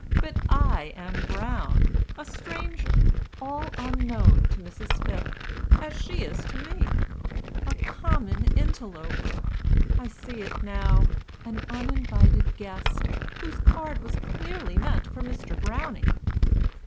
But I am Brown, A stranger, all unknown to Mrs. Phipp, As she to me, a common interloper I see it now an uninvited guest, Whose card was clearly meant for Mr. Brownie.